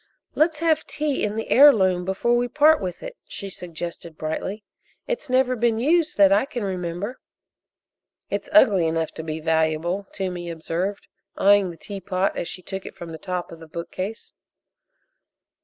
"Let's have tea in the heirloom before we part with it," she suggested brightly. "It's never been used that I can remember." "It's ugly enough to be valuable," Toomey observed, eyeing the teapot as she took it from the top of the bookcase.